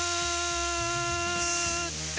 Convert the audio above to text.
って